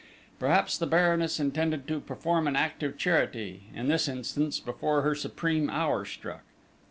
Perhaps the Baroness intended to perform an act of charity, in this instance, before her supreme hour struck.